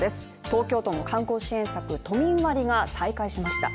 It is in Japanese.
東京都の観光支援策、都民割が再開しました。